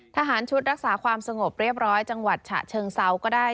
ทหารชุดรักษาความสงบเรียบร้อยจังหวัดฉะเชิงเซาก็ได้